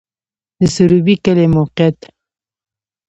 د سروبی کلی موقعیت